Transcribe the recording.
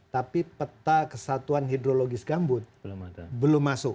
tapi peta kesatuan hidrologis gambut belum masuk